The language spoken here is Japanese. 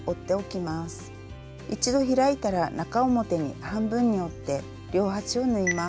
一度開いたら中表に半分に折って両端を縫います。